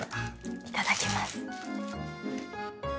いただきます